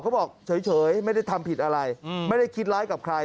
บอกเฉยไม่ได้ทำผิดอะไรไม่ได้คิดร้ายกับใคร